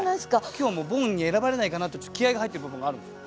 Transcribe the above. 今日はもうボンに選ばれないかなとちょっと気合いが入ってる部分があるんですよ。